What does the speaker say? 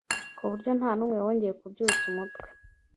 ku buryo nta n’umwe wongeye kubyutsa umutwe.